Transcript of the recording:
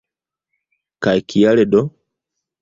Kaj kial do?